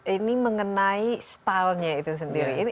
ini mengenai stylenya itu sendiri